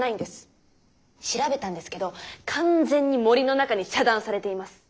調べたんですけど完全に「森の中」に遮断されています。